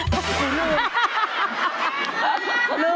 หนูลืม